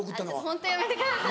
ホントやめてください。